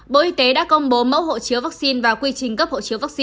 bộ y tế đã công bố mẫu hộ chiếu vaccine và quy trình cấp hộ